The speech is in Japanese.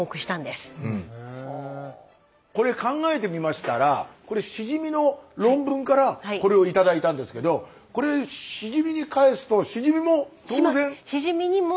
これ考えてみましたらシジミの論文からこれを頂いたんですけどこれシジミに返すとシジミも当然。